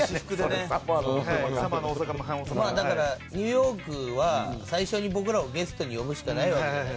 まあだからニューヨークは最初に僕らをゲストに呼ぶしかないわけじゃないですか。